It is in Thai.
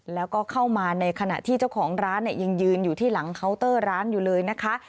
แล้วก็เข้ามาในขณะที่เจ้าของร้านเนี่ยยังยืนอยู่ที่หลังเคาน์เตอร์ร้านอยู่เลยนะคะ